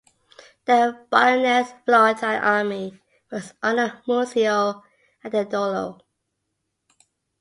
The Bolognese-Florentine army was under Muzio Attendolo.